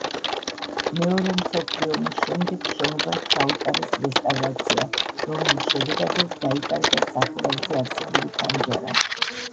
მეორე მსოფლიო ომის შემდეგ შენობას ჩაუტარეს რესტავრაცია, რომლის შედეგადაც დაიკარგა სახურავზე არსებული ფანჯარა.